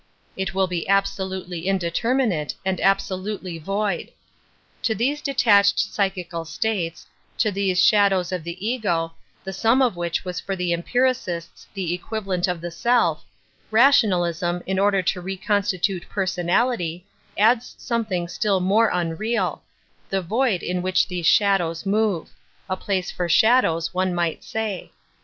It will be abso lutely indeterminate and absolutely void. To these detached psychical states, to these shadows of the ego, the sum of which was for the empiricists the equivalent of the self, rationalism, in order to reconstitute personality, adds something still more un real, the void in which these shadows move — a place for shadows, one might say.